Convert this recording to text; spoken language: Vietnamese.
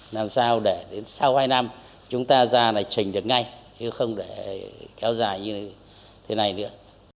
làm sao để đến sau hai năm chúng ta ra là trình được ngay chứ không để kéo dài như thế này nữa